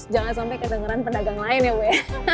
jangan sampai kedengeran pendagang lain ya we